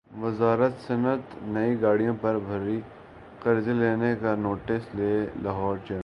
وزارت صنعت نئی گاڑیوں پر بھاری قرضہ لینے کا ںوٹس لے لاہور چیمبر